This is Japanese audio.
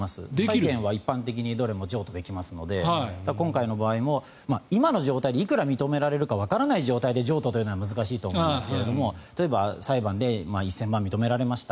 債権は一般的にどれも譲渡できますので今回の場合も今の状態でいくら認められるかわからない状態での譲渡は難しいと思いますが例えば裁判で１０００万円認められました。